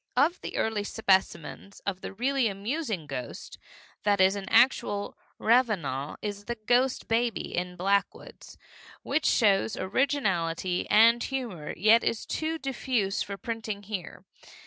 Of the early specimens of the really amusing ghost that is an actual revenant is The Ghost Baby, in Blackwood's, which shows originality and humor, yet is too diffuse for printing here.